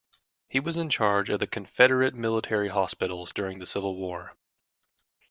He was in charge of the Confederate military hospitals during the Civil War.